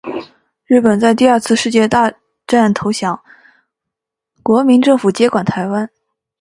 日本在第二次世界大战投降，国民政府接管台湾。